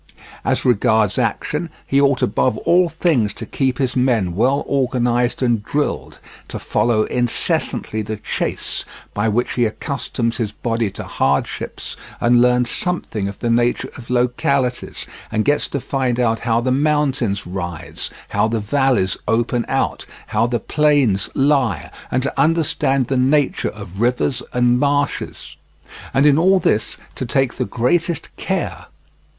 As regards action, he ought above all things to keep his men well organized and drilled, to follow incessantly the chase, by which he accustoms his body to hardships, and learns something of the nature of localities, and gets to find out how the mountains rise, how the valleys open out, how the plains lie, and to understand the nature of rivers and marshes, and in all this to take the greatest care.